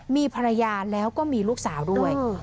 มีภรรยาแล้วก็มีลูกสาวด้วย